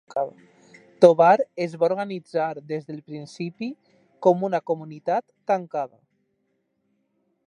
Tovar es va organitzar des del principi com una comunitat tancada.